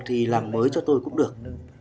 thì làm mới cho tôi cũng được